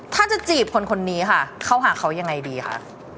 ถ้าจะจีบคนคนนี้ค่ะเข้าหาเขายังไงดีคะ